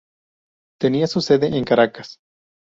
Tenía su sede en Caracas.